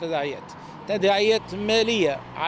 tanda yang berdasarkan nilai negara